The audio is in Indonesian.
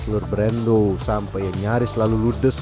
telur berendo sampah yang nyaris lalu ludes